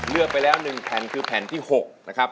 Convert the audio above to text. เลือกไปแล้ว๑แผ่นคือแผ่นที่๖นะครับ